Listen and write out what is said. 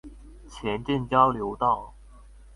前鎮交流道